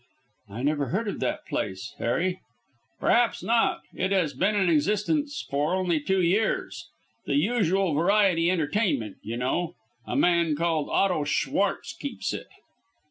"I never heard of that place, Harry." "Perhaps not. It has been in existence only for two years. The usual variety entertainment, you know. A man called Otto Schwartz keeps it."